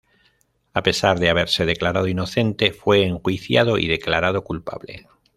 A pesar de haberse declarado inocente, fue enjuiciado y declarado culpable.